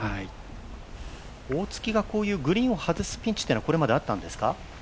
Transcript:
大槻がこういうグリーンを外すピンチっていうのは今まであったんですか？